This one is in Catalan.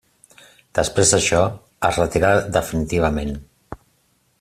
Després d'això, es retirà definitivament.